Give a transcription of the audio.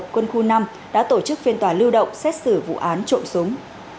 quân khu năm đã tổ chức phiên tòa lưu động xét xử vụ án trộm súng